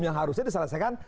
yang harusnya diselesaikan